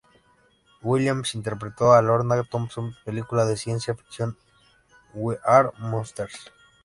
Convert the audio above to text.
Williams interpretó a Lorna Thompson película de ciencia ficción "We Are Monsters".